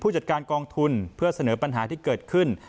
จัดการกองทุนเพื่อเสนอปัญหาที่เกิดขึ้น